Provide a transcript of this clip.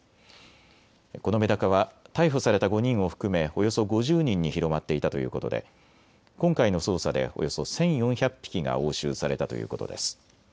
このメダカは逮捕された５人を含めおよそ５０人に広まっていたということで今回の捜査でおよそ１４００匹が押収されたということです。